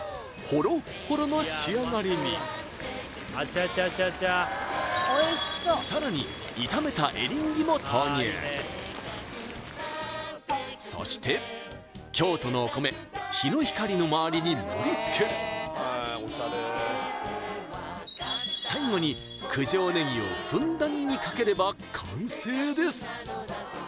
ほろっほろの仕上がりにさらに炒めたエリンギも投入そして京都のお米ヒノヒカリのまわりに盛りつける最後に九条ねぎをふんだんにかければ完成です